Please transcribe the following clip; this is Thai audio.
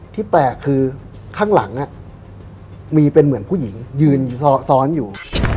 แปลกคือข้างหลังมีเป็นเหมือนผู้หญิงยืนซ้อนอยู่